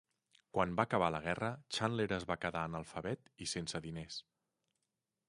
Quan va acabar la guerra, Chandler es va quedar analfabet i sense diners.